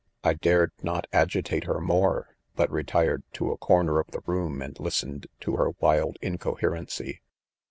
I dared not agitate her more, but retired to a corner of the room and listened to her wild incoherency.